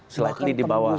slightly di bawah